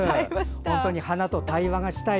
本当に花と対話がしたい。